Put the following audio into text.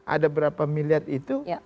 ada berapa miliar itu